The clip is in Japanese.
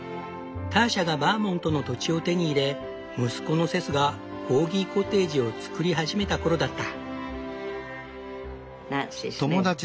ターシャがバーモントの土地を手に入れ息子のセスがコーギコテージを造り始めたころだった。